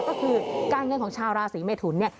ก็คือการเงินของชาวราศีเมทุนเนี่ย